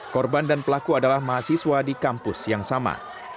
korban dan pelaku adalah mahasiswa di kampus yang sama